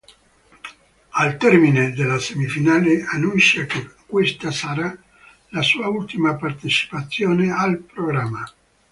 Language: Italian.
Al termine della semifinale annuncia che questa sarà la sua ultima partecipazione al programma.